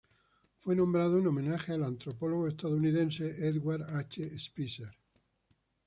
Fue nombrado en homenaje al antropólogo estadounidense Edward H. Spicer.